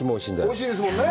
おいしいですもんね。